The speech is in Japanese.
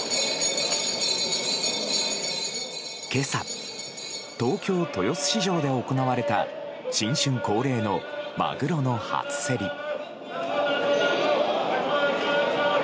今朝東京・豊洲市場で行われた新春恒例のマグロの初競り。